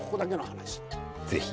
ぜひ。